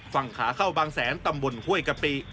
ฝั่งขาเข้าบางแสนตำบลห้วยกะปิ